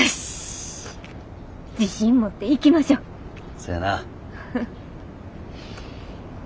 そやな。